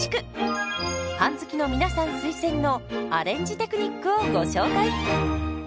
パン好きの皆さん推薦のアレンジテクニックをご紹介。